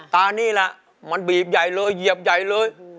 แต่นี่แหละมันบีบใหญ่เลยเหยียบใหญ่เลย